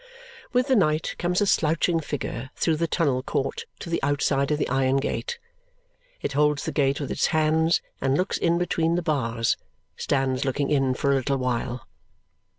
With the night comes a slouching figure through the tunnel court to the outside of the iron gate. It holds the gate with its hands and looks in between the bars, stands looking in for a little while.